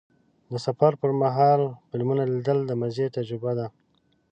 د سفر پر مهال فلمونه لیدل د مزې تجربه ده.